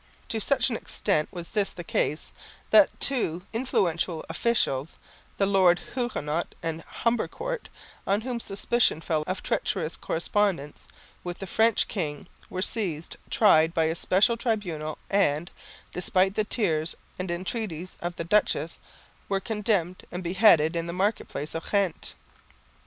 To such an extent was this the case that two influential officials, the lords Hugonet and Humbercourt, on whom suspicion fell of treacherous correspondence with the French king, were seized, tried by a special tribunal, and, despite the tears and entreaties of the duchess, were condemned and beheaded in the market place of Ghent.